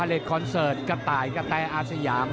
เล็กคอนเสิร์ตกระต่ายกะแตอาสยาม